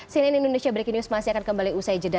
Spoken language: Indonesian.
cnn indonesia breaking news masih akan kembali usai jeda